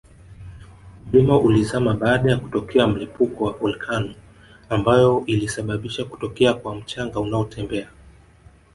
mlima ulizama baada ya kutokea mlipuko wa volcano ambayo ilisabisha kutokea kwa mchanga unaotembea